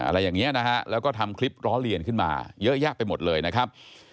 อะไรอย่างนี้นะฮะแล้วก็ทำคลิปล้อเลียนขึ้นมาเยอะแยะไปหมดเลยนะครับ